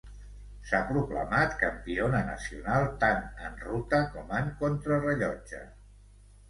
S'ha proclamat campiona nacional tant en ruta com en contrarellotge.